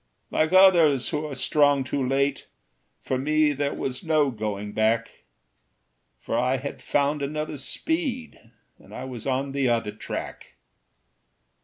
"Like others who are strong too late, For me there was no going back; For I had found another speed, And I was on the other track.